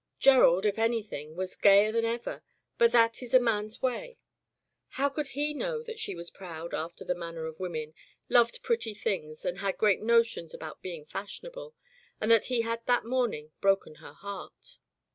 Gerald, if anything, was gayer than ever, but that is a man's way. How could he know that she was proud after the manner of women, loved pretty things and had great notions about being fashionable, and that he had that morning broken her heart